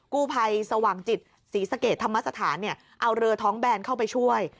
กู้ภัยสว่างจิตศรีสะเกดธรรมสถานเอาเรือท้องแบนเข้าไปช่วย